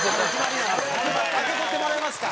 空けとってもらえますか？